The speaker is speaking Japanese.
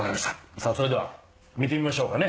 さあそれでは見てみましょうかね。